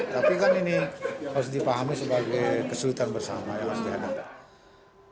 tapi kan ini harus dipahami sebagai kesulitan bersama yang harus dihadapi